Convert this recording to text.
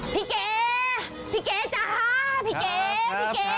พี่เก๋จ้าพี่เก๋